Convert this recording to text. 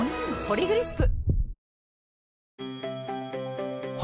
「ポリグリップ」